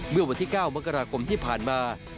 เมื่อวันที่๙มกราคมที่ผ่านมา